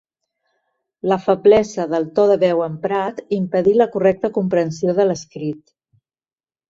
La feblesa del to de veu emprat impedí la correcta comprensió de l'escrit.